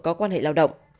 có quan hệ lao động